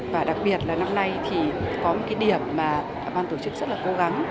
và đặc biệt là năm nay thì có một cái điểm mà ban tổ chức rất là cố gắng